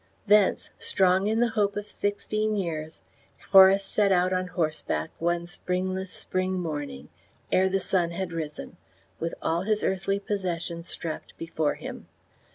Thence, strong in the hope of sixteen years, Horace set out on horseback one springless spring morning ere the sun had risen, with all his earthly possessions strapped before him.